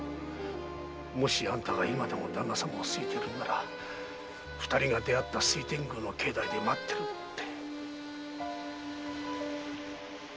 もしあんたが今でも旦那様を好いているなら二人が出会った水天宮の境内で待ってると。